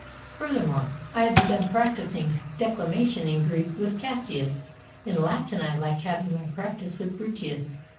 Furthermore, I have begun prac ticing declamation in Greek with Cassius ; in Latin I like having my practice with Bruttius.